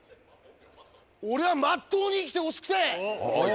俺は真っ当に生きてほしくて！